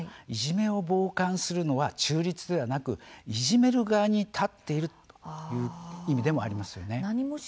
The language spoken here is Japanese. いじめを傍観するのは中立ではなく、いじめる側に立っているという意味でもありますよね。